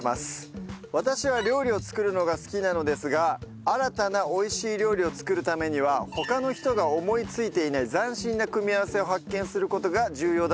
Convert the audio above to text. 私は料理を作るのが好きなのですが新たな美味しい料理を作るためには他の人が思いついていない斬新な組み合わせを発見する事が重要だと思っています。